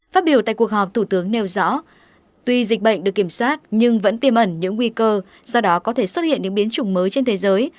phát biểu tại cuộc họp thủ tướng nêu rõ tuy dịch bệnh được kiểm soát nhưng vẫn tiềm ẩn những nguy cơ do đó có thể xuất hiện những biến chủng mới trên thế giới